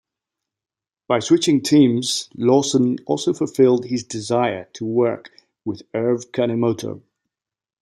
By switching teams, Lawson also fulfilled his desire to work with Erv Kanemoto.